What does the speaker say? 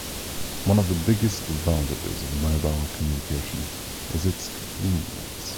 One of the biggest advantages of mobile communication is its convenience.